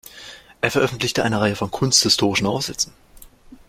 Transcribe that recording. Er veröffentlichte eine Reihe von kunsthistorischen Aufsätzen.